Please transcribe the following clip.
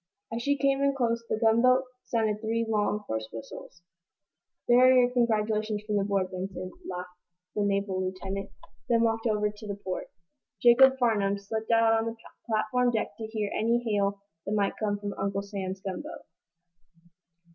As she came in close the gunboat sounded three long, hoarse whistles. "There are your congratulations from the board, Benson," laughed the naval lieutenant, then walked over to port. Jacob Farnum slipped out on the platform deck to hear any hail that might come from Uncle Sam's gunboat.